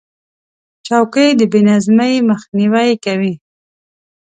چوکۍ د بې نظمۍ مخنیوی کوي.